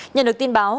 nhận được tin báo